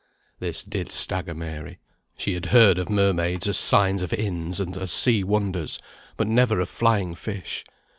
This did stagger Mary. She had heard of mermaids as signs of inns, and as sea wonders, but never of flying fish.